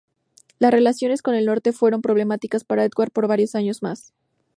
Las relaciones con el norte fueron problemáticas para Eduardo por varios años más.